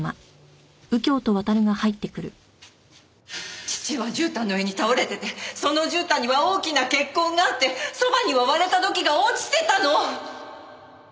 義父はじゅうたんの上に倒れててそのじゅうたんには大きな血痕があってそばには割れた土器が落ちてたの！